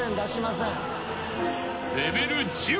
［レベル１０。